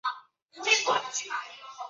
同年置毕节县隶威宁府。